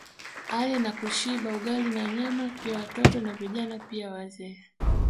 Ale na kushiba Ugali na Nyama pia watoto na Vijana pia wazee